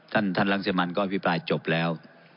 ท่านท่านรังสิมันก็อภิปรายจบแล้ว